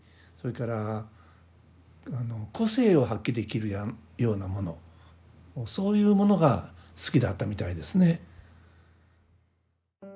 それから個性を発揮できるようなものそういうものが好きだったみたいですね。